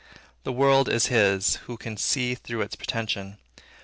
The world is his, who can see through its pretension.